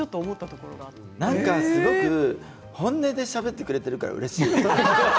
本音でしゃべってくれてるからうれしい。